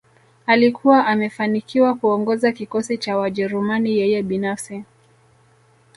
Alikuwa amefanikiwa kuongoza kikosi cha Wajerumani yeye binafsi